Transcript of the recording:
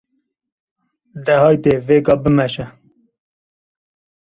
De haydê vêga bimeşe!’’